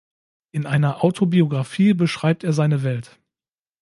In einer Autobiographie beschreibt er seine Welt.